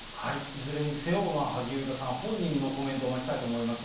いずれにせよ、萩生田さん本人のコメントを待ちたいと思います。